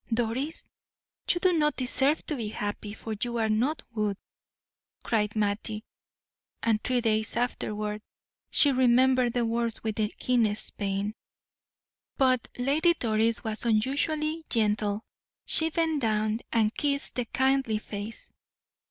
"Doris, you do not deserve to be happy, for you are not good," cried Mattie; and three days afterward she remembered the words with the keenest pain. But Lady Doris was unusually gentle; she bent down and kissed the kindly face.